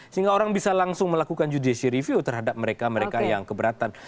seorang bisa langsung melakukan judisi review terhadap mereka yang keberatan